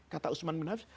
kata usman bin hanif